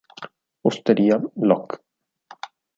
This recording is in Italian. Osteria, Loc.